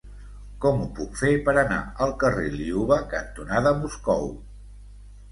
Com ho puc fer per anar al carrer Liuva cantonada Moscou?